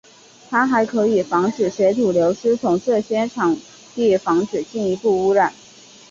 它还可以防止水土流失从这些场地防止进一步污染。